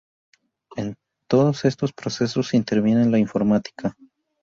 En todos estos procesos interviene la informática.